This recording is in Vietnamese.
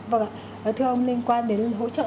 vâng ạ thưa ông liên quan đến hỗ trợ